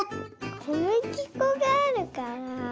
こむぎこがあるから。